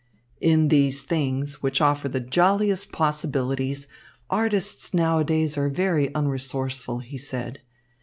"In these things, which offer the jolliest possibilities, artists nowadays are very unresourceful," he said.